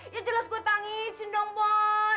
ya jelas gue tangisin dong bon